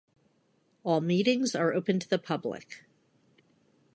All meetings are open to the public.